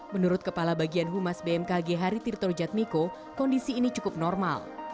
menurut kepala bagian humas bmkg hari tirto jatmiko kondisi ini cukup normal